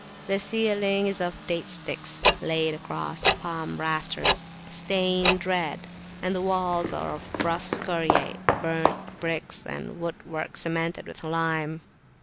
The ceiling is of date sticks laid across palm rafters stained red, and the walls are of rough scoriae, burnt bricks, and wood work cemented with lime.